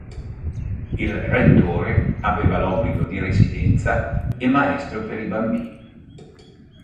Il rettore aveva l'obbligo di residenza e maestro per i bambini.